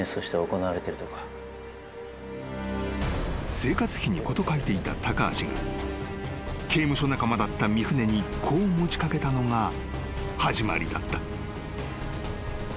［生活費に事欠いていた高橋が刑務所仲間だった三船にこう持ち掛けたのが始まりだった］